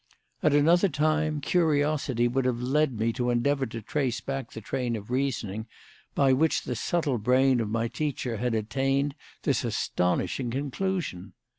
At another time, curiosity would have led me to endeavour to trace back the train of reasoning by which the subtle brain of my teacher had attained this astonishing conclusion.